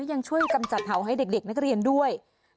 ยังช่วยกำจัดเผาให้เด็กนักเรียนด้วย